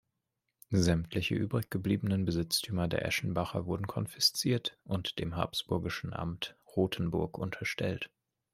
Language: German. Sämtliche übrig gebliebenen Besitztümer der Eschenbacher wurden konfisziert und dem habsburgischen Amt Rothenburg unterstellt.